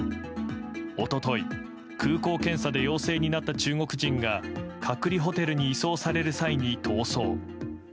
おととい、空港検査で陽性になった中国人が隔離ホテルに移送される際に逃走。